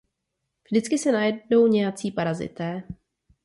Vždycky se najdou nějací parazité.